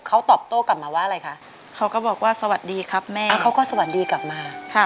เขาก็สวัสดีกลับมา